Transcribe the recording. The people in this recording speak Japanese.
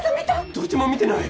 どっちも見てない。